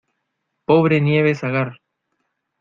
¡ pobre Nieves Agar